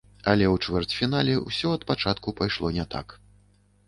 Але ў чвэрцьфінале ўсё ад пачатку пайшло не так.